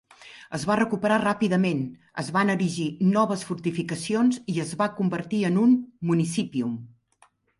Es va recuperar ràpidament, es van erigir noves fortificacions i es va convertir en un "municipium".